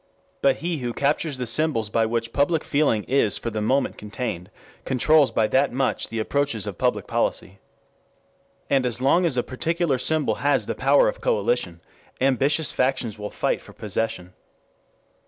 But he who captures the symbols by which public feeling is for the moment contained, controls by that much the approaches of public policy. And as long as a particular symbol has the power of coalition, ambitious factions will fight for possession.